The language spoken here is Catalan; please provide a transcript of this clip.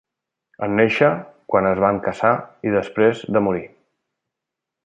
En néixer, quan es van cassar i després de morir.